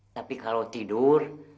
tapi kalau tidur